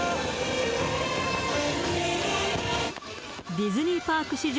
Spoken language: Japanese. ディズニーパーク史上